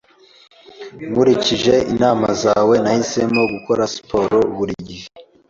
Nkurikije inama zawe, Nahisemo gukora siporo buri gihe.